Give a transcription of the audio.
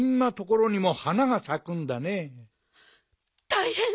たいへん！